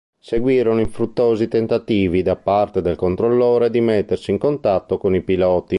Seguirono infruttuosi tentativi da parte del controllore di mettersi in contatto con i piloti.